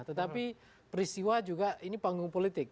tetapi peristiwa juga ini panggung politik